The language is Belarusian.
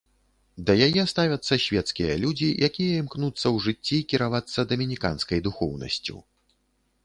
Да яе ставяцца свецкія людзі, якія імкнуцца ў жыцці кіравацца дамініканскай духоўнасцю.